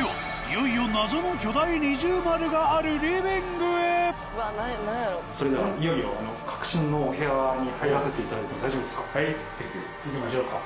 いよいよ謎の巨大二重丸があるそれではいよいよ核心のお部屋に入らせていただいても大丈夫ですか？